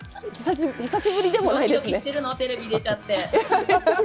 ドキドキしてるの、テレビ出ちゃって。